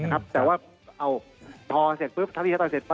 แต่ว่าถอเสร็จก็ปุ๊บปุ๊บท้าตีท้าต่อยเซ็น